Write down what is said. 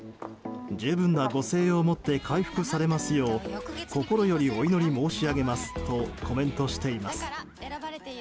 十分なご静養をもって回復されますよう心よりお祈り申し上げますとコメントしています。